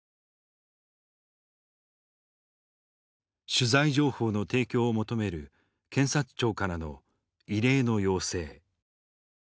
取材情報の提供を求める検察庁からの異例の要請。